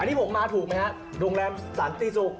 อันนี้ผมมาถูกไหมฮะโรงแรมสันติสุข